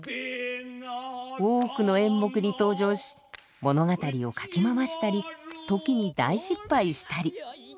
多くの演目に登場し物語をかき回したり時に大失敗したり。